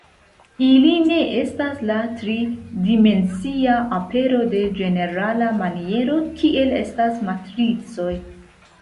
Ili ne estas la tri dimensia apero de ĝenerala maniero, kiel estas matricoj.